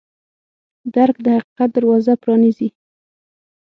درک د حقیقت دروازه پرانیزي.